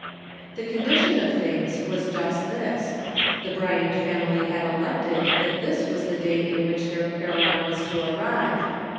The condition of things was just this : the Bryant family had elected that this was the day in which their Caroline was to arrive.